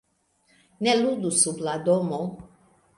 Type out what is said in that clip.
Ne ludu sub la domo!